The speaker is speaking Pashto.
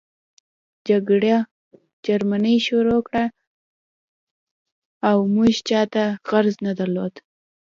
جګړه جرمني شروع کړه او موږ چاته غرض نه درلود